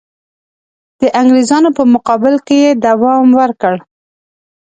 د انګرېزانو په مقابل کې یې دوام ورکړ.